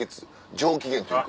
上機嫌というか。